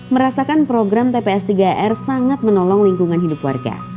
merasakan program tps tiga r sangat menolong lingkungan hidup warga